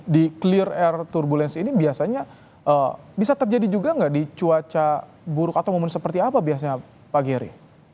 di clear air turbulence ini biasanya bisa terjadi juga nggak di cuaca buruk atau momen seperti apa biasanya pak geri